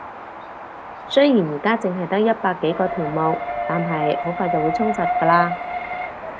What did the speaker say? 雖然而家淨係得一百幾個條目，但係好快就會充實㗎喇